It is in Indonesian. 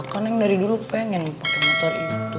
kan neng dari dulu pengen pake motor itu